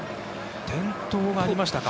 転倒がありましたか。